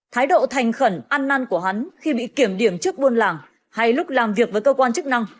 thái độ thành khẩn ăn năn của hắn khi bị kiểm điểm trước buôn làng hay lúc làm việc với cơ quan chức năng